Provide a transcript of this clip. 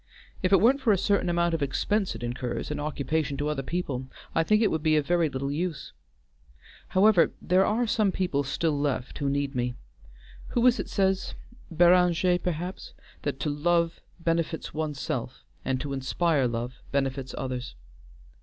If it weren't for a certain amount of expense it incurs, and occupation to other people, I think it would be of very little use. However, there are some people still left who need me. Who is it says Béranger perhaps that to love benefits one's self, and to inspire love benefits others.